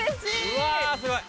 うわすごい！